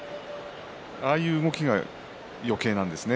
ああいう動きがよけいなんですね。